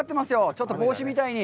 ちょっと帽子みたいに。